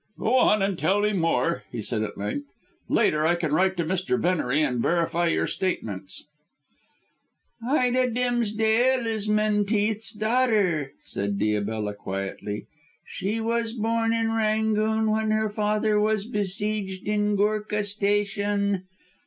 "Go on, and tell me more," he said at length; "later I can write to Mr. Venery and verify your statements." "Ida Dimsdale is Menteith's daughter," said Diabella quietly. "She was born in Rangoon when her father was being besieged in Goorkah Station.